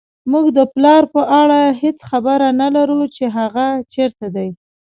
موږ د پلار په اړه هېڅ خبر نه لرو چې هغه چېرته دی